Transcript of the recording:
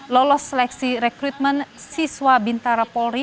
lolos seleksi rekrutmen siswa bintara polri